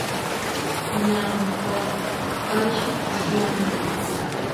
ñan palta qaylla tiyan